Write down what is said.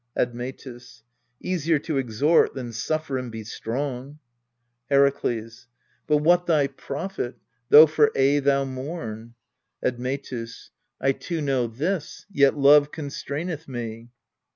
Admetus. Easier to exhort than suffer and be strong. Herakles. But what thy profit, though for aye thou moan ? Admetus. I too know this ; yet love constraineth me.